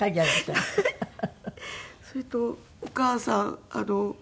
それとお母さん